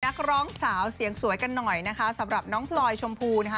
นักร้องสาวเสียงสวยกันหน่อยนะคะสำหรับน้องพลอยชมพูนะคะ